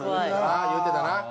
言うてたな。